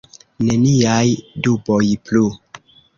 Neniaj duboj plu!